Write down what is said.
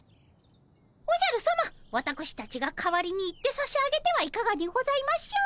おじゃるさまわたくしたちが代わりに行ってさしあげてはいかがにございましょう。